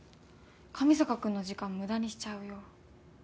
上坂君の時間無駄にしちゃうよ。